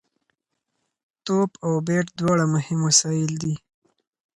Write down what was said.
توپ او بېټ دواړه مهم وسایل دي.